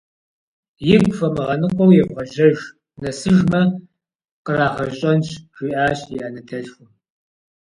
Игу фымыгъэныкъуэу евгъэжьэж, нэсыжмэ, къырагъэщӏэнщ, - жиӏащ и анэ дэлъхум.